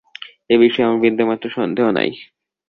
এ বিষয়ে আমার বিন্দুমাত্র সন্দেহ নাই।